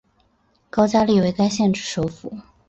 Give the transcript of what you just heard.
高加力为该县之首府。